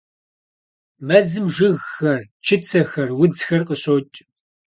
Mezım jjıgxer, çıtsexer, vudzxer khışoç'.